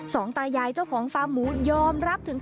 ตายายเจ้าของฟาร์มหมูยอมรับถึง